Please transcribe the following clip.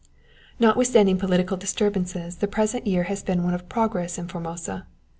Notwithstanding political disturbances the present year has been one of progress in Formosa.